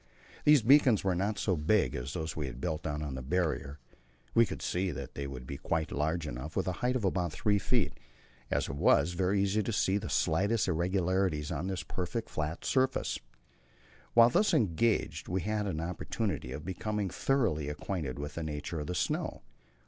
These beacons were not so big as those we had built down on the Barrier; we could see that they would be quite large enough with a height of about 3 feet, as it was, very easy to see the slightest irregularity on this perfectly flat surface. While thus engaged we had an opportunity of becoming thoroughly acquainted with the nature of the snow.